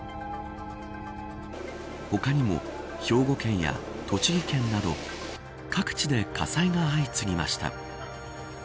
他にも、兵庫県や栃木県など各地で火災が相次ぎました。